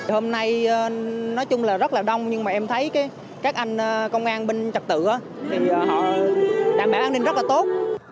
hôm nay nói chung là rất là đông nhưng mà em thấy các anh công an bên trật tự thì họ đảm bảo an ninh rất là tốt